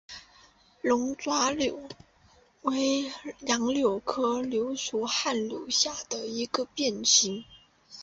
龙爪柳为杨柳科柳属旱柳下的一个变型。